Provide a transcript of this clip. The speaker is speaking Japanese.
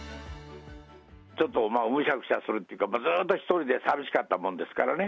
ちょっとむしゃくしゃするっていうか、ずっと一人で寂しかったものですからね。